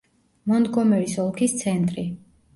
მონტგომერის ოლქის ცენტრი.